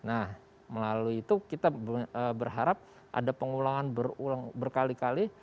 nah melalui itu kita berharap ada pengulangan berulang berkali kali